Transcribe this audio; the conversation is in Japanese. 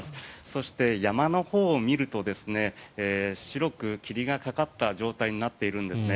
そして山のほうを見ると白く霧がかかった状態になっているんです。